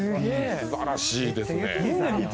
すばらしいですね。